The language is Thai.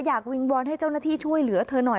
วิงวอนให้เจ้าหน้าที่ช่วยเหลือเธอหน่อย